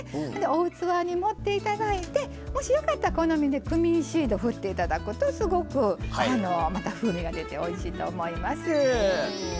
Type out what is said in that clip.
お器に盛って頂いてもしよかったら好みでクミンシードふって頂くとすごくまた風味が出ておいしいと思います。